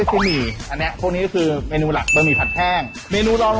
อ่ะไม่เล่นมุกอะไรแล้ว